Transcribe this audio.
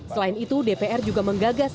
selain itu dpr juga menggagas